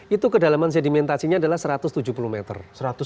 itu kedalaman sedimentasinya adalah satu ratus tujuh puluh meter